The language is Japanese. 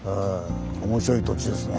面白い土地ですね。